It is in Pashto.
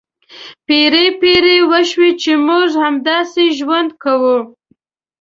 پېړۍ پېړۍ وشوې چې موږ همداسې ژوند کوو.